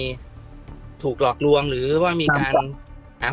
สุดท้ายก็ไม่มีทางเลือกที่ไม่มีทางเลือก